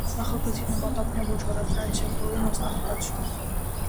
Նախագծի նպատակն է ոչ առևտրային սեկտորի մասնագիտացումը։